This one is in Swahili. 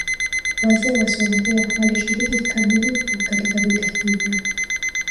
Wazee wa Songea walishiriki kikamilifu katika vita hivyo